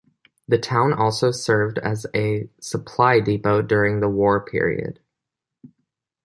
The town also served as a supply depot during the war period.